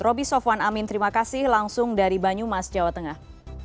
roby sofwan amin terima kasih langsung dari banyumas jawa tengah